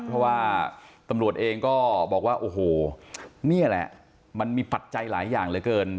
เพราะว่าตำรวจเองก็บอกว่าโอ้โหนี่แหละมันมีปัจจัยหลายอย่างเหลือเกิน